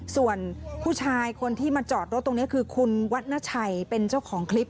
ส่วนผู้ชายคนที่มาจอดรถตรงนี้คือคุณวัฒนาชัยเป็นเจ้าของคลิป